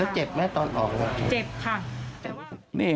แล้วเจ็บไหมตอนออกเนี่ย